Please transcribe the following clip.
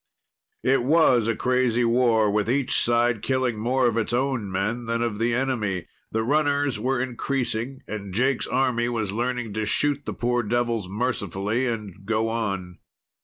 It was a crazy war, with each side killing more of its own men than of the enemy. The runners were increasing, and Jake's army was learning to shoot the poor devils mercifully and go on.